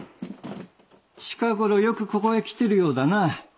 近頃よくここへ来てるようだな。